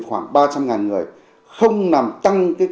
khoảng ba trăm linh người không làm tăng cái